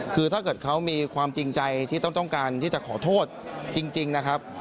คือถ้าเกิดเขามีความจริงใจที่ต้องการที่จะขอโทษจริงนะครับ